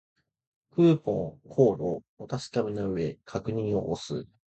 クーポンコードをお確かめの上、確認を押す